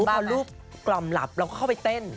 พอรูปกล่อมหลับเราก็เข้าไปเต้น